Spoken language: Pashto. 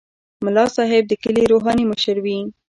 ملا صاحب د کلي روحاني مشر وي.